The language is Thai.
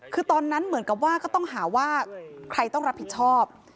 คือตอนนั้นเหมือนกับว่าก็ต้องหาว่าใครต้องรับผิดชอบ